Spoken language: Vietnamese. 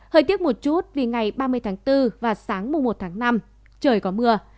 hơi tiếc một chút vì ngày ba mươi tháng bốn và sáng mùa một tháng năm trời có mưa